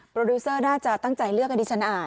ดิวเซอร์น่าจะตั้งใจเลือกให้ดิฉันอ่าน